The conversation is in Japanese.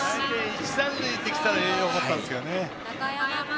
一、三塁にできたらよかったんですけどね。